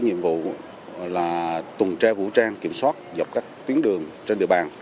nhiệm vụ là tuần tra vũ trang kiểm soát dọc các tuyến đường trên địa bàn